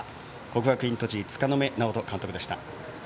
国学院栃木、柄目直人監督でした。